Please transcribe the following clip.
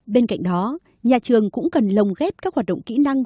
bên cạnh đó nhà trường cũng cần lồng ghép các hoạt động kỹ năng